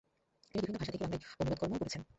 তিনি বিভিন্ন ভাষা থেকে বাংলায় অনুবাদকর্মও করেছেন।